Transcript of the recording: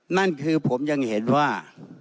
นั่นคือผมยังเห็นว่า